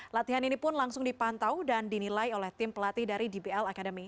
latihan ini pun langsung dipantau dan dinilai oleh tim pelatih dari dbl academy